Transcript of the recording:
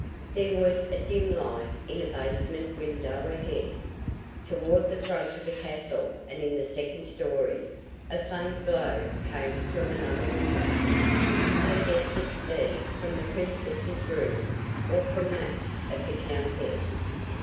There was a dim light in a basement window ahead. Toward the front of the castle and in the second story a faint glow came from another window. They guessed it to be from the Princess' room or from that of the countess.